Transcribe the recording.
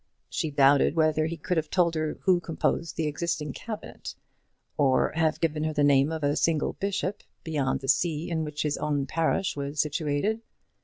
She doubted whether he could have told her who composed the existing cabinet, or have given the name of a single bishop beyond the see in which his own parish was situated.